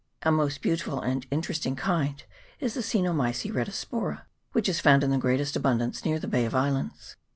A most beautiful and interesting kind is the Cenomyce retispora, which is found in the greatest abundance near the Bay of Islands.